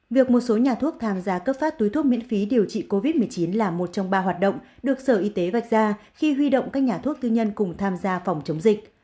việc một số nhà thuốc tham gia cấp phát túi thuốc miễn phí điều trị covid một mươi chín là một trong ba hoạt động được sở y tế vạch ra khi huy động các nhà thuốc tư nhân cùng tham gia phòng chống dịch